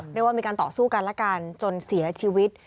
เรียกว่ามีการต่อสู้กันและกันจนเสียชีวิต